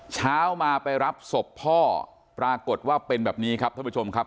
เช้ามาไปรับศพพ่อปรากฏว่าเป็นแบบนี้ครับท่านผู้ชมครับ